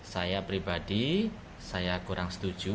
saya pribadi saya kurang setuju